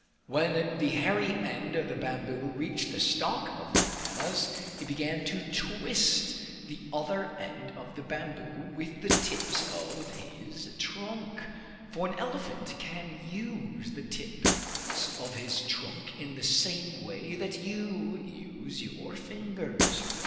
When the hairy end of the bamboo reached the stalk of the bananas, he began to twist the other end of the bamboo with the tips of his trunk; for an elephant can use the tips of his trunk in the same way that you use your fingers.